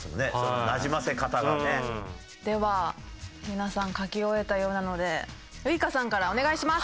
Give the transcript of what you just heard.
では皆さん書き終えたようなのでウイカさんからお願いします。